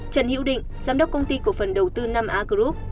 trần hiễu định giám đốc công ty cộng phân đầu tư năm a group